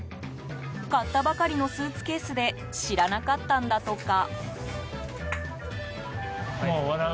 買ったばかりのスーツケースで知らなかったんだとか。